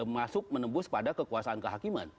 masuk menembus pada kekuasaan kehakiman